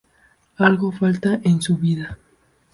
Algo falta en su vida.